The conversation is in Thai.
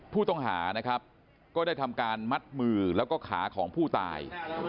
ผู้ต้องหานะครับก็ได้ทำการมัดมือแล้วก็ขาของผู้ตาย